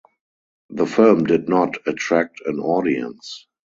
The film did not attract an audience.